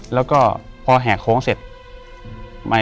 แล้วก็พอแหกโค้งเสร็จ